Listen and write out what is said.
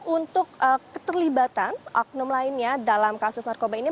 untuk keterlibatan oknum lainnya dalam kasus narkoba ini